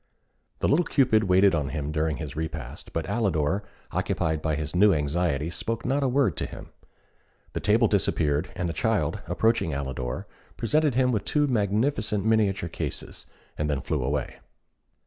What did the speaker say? The little Cupid waited on him during his repast, but Alidor, occupied by his new anxiety, spoke not a word to him. The table disappeared, and the child, approaching Alidor, presented him with two magnificent miniature cases, and then flew away.